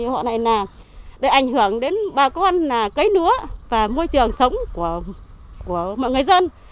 họ này là để ảnh hưởng đến bà con cấy lúa và môi trường sống của mọi người dân